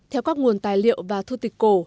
theo các nguồn tài liệu và thư tịch cổ